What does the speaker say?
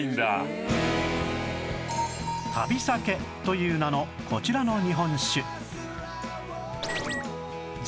旅酒という名のこちらの日本酒